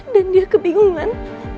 dan dia kebingungan